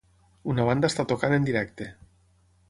Una banda està tocant en directe.